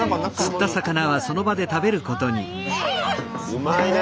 うまいね！